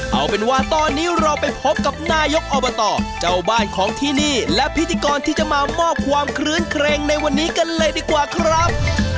เอาเป็นว่าตอนนี้เราไปพบกับนายกอบตเจ้าบ้านของที่นี่และพิธีกรที่จะมามอบความคลื้นเครงในวันนี้กันเลยดีกว่าครับ